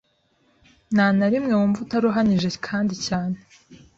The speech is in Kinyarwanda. ntanarimwe wumva utaruhanije kandi cyane